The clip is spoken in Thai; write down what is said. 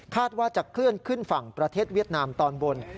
ว่าจะเคลื่อนขึ้นฝั่งประเทศเวียดนามตอนบน